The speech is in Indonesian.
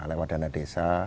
lewat dana desa